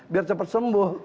biar cepat sembuh